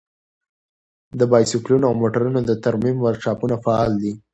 د بايسکلونو او موټرونو د ترمیم ورکشاپونه فعال دي.